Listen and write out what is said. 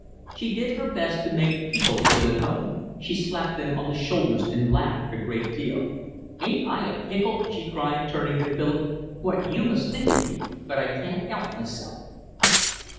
She did her best to make people feel at home. She slapped them on the shoulders and laughed a great deal. "Ain't I a pickle?" she cried, turning to Philip. "What must you think of me? But I can't 'elp meself."